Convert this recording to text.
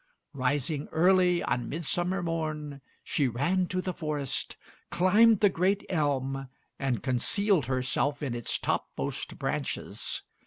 Rising early on Midsummer Morn, she ran to the forest, climbed the great elm, and concealed herself in its topmost branches.